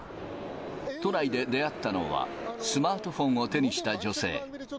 都内で出会ったのは、スマートフォンを手にした女性。